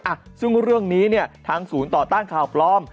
อ่ะซึ่งเรื่องนี้เนี่ยทางศูนย์ต่อต้านข่าวปลอม